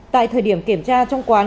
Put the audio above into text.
tại thời điểm kiểm tra trong quán